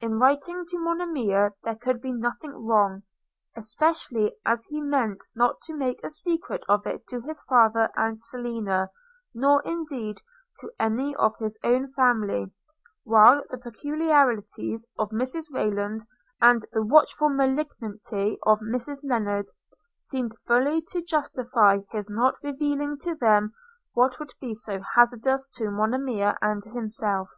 In writing to Monimia there could be nothing wrong, especially as he meant not to make a secret of it to his father and Selina, nor indeed to any of his own family: while the peculiarities of Mrs. Rayland, and the watchful malignity of Mrs Lennard, seemed fully to justify his not revealing to them what would be so hazardous to Monimia and to himself.